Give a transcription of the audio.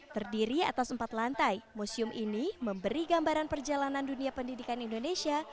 terdiri atas empat lantai museum ini memberi gambaran perjalanan dunia pendidikan indonesia